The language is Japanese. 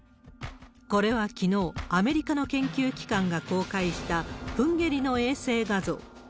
これはきのう、アメリカの研究機関が公開したプンゲリの衛星画像。